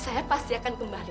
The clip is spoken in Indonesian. saya pasti akan kembali